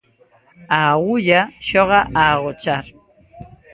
A agulla xoga a agochar.